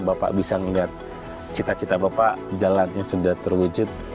bapak bisa melihat cita cita bapak jalannya sudah terwujud